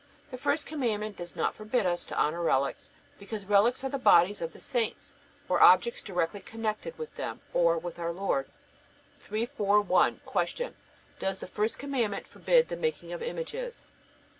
The first Commandment does not forbid us to honor relics, because relics are the bodies of the saints, or objects directly connected with them or with our Lord. 341. Q. Does the first Commandment forbid the making of images?